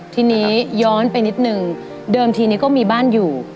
ทีนี้ย้อนไปนิดนึงเดิมทีนี้ก็มีบ้านอยู่